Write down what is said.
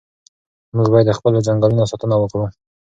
موږ باید د خپلو ځنګلونو ساتنه وکړو.